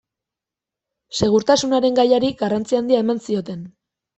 Segurtasunaren gaiari garrantzi handia eman zioten.